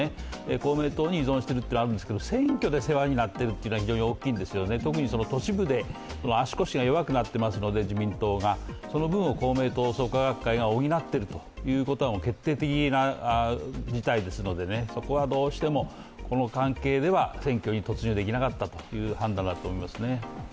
公明党に依存しているというのがあるんですけど、選挙で世話になっているというのが非常に大きいんですよね、特に都市部で足腰が弱くなっていますので、自民党が、その分を公明党創価学会が補っているというのが決定的な事態ですので、そこはどうしても、この関係では選挙に突入できなかったという判断だと思いますね。